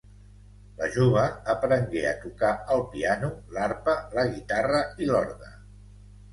La jove aprengué a tocar el piano, l'arpa, la guitarra i l'orgue.